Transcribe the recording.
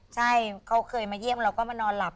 ใช่เขาเคยมาเยี่ยมเราก็มานอนหลับ